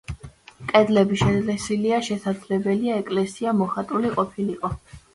კედლები შელესილია, შესაძლებელია ეკლესია მოხატული ყოფილიყო.